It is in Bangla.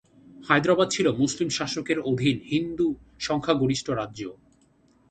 হায়দ্রাবাদ ছিল মুসলিম শাসকের অধীন হিন্দু সংখ্যাগরিষ্ঠ রাজ্য।